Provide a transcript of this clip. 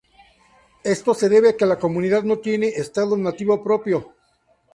Esto se debe a que la comunidad no tiene estado nativo propio.